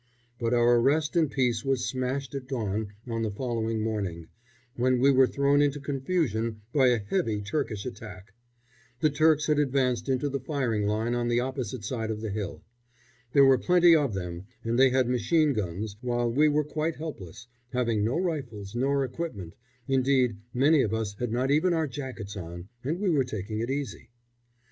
But our rest and peace were smashed at dawn on the following morning, when we were thrown into confusion by a heavy Turkish attack. The Turks had advanced into the firing line on the opposite side of the hill. There were plenty of them and they had machine guns, while we were quite helpless, having no rifles nor equipment indeed, many of us had not even our jackets on, as we were taking it easy.